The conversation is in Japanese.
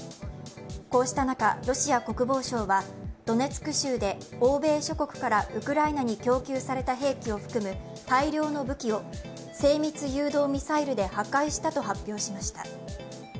こうした中、ロシア国防省はドネツク州で欧米諸国からウクライナに供給された兵器を含む大量の武器を精密誘導ミサイルで破壊したと発表しました。